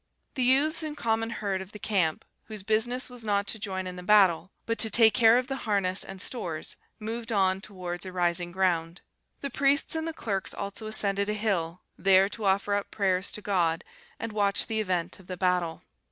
The youths and common herd of the camp, whose business was not to join in the battle, but to take care of the harness and stores, moved on towards a rising ground. The priests and the clerks also ascended a hill, there to offer up prayers to God, and watch the event of the battle.